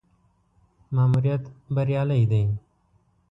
ماموریت بریالی دی.